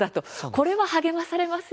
これは励まされますよね。